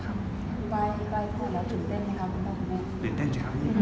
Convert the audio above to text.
วันที่๑๒แล้วตื่นเต้นไหมครับคุณแม่ตอนนี้